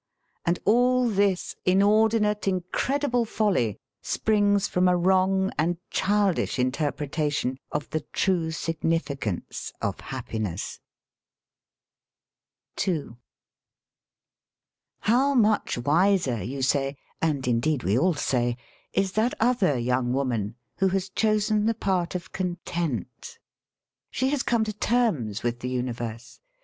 And all this inordinate, incredible folly springs from a wrong and childish 12 SELF AND SELF MANAGEMENT interpretation of the true significance of happi How much wiser, you say, and indeed we all say, is that other young woman who has chosen the part of content. She has come to terma with the universe.